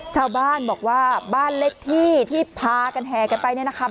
ชาวบ้านบอกว่าบ้านเล็กที่ที่พากันแห่กันไปเนี่ยนะคะ